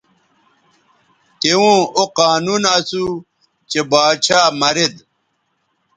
توؤں او قانون اسو چہء باچھا مرید